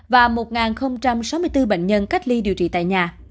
và một sáu mươi bốn bệnh nhân cách ly điều trị tại nhà